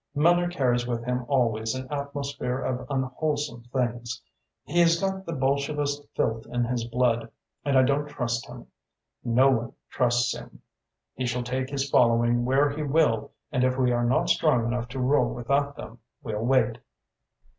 Miller carries with him always an atmosphere of unwholesome things. He has got the Bolshevist filth in his blood and I don't trust him. No one trusts him. He shall take his following where he will, and if we are not strong enough to rule without them, we'll wait."